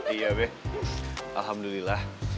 iya bi alhamdulillah